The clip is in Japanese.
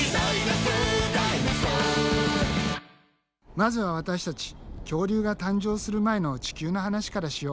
まずは私たち恐竜が誕生する前の地球の話からしよう。